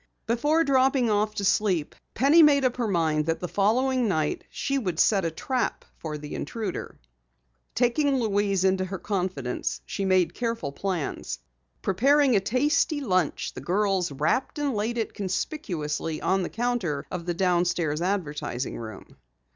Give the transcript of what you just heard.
Before dropping off to sleep Penny made up her mind that the following night she would set a trap for the intruder. Taking Louise into her confidence, she made careful plans. Preparing a tasty lunch, the girls wrapped and laid it conspicuously on the counter of the downstairs advertising room.